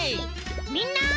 みんな。